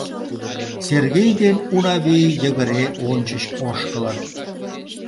Сергей ден Унавий йыгыре ончыч ошкылыт.